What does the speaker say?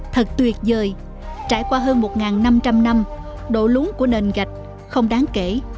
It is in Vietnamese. thật tuyệt vời trải qua hơn một năm trăm linh năm độ của nền gạch không đáng kể